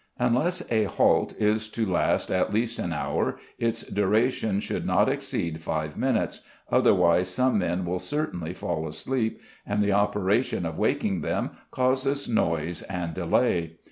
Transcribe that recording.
_ Unless a halt is to last at least an hour, its duration should not exceed five minutes, otherwise some men will certainly fall asleep, and the operation of waking them causes noise and delay.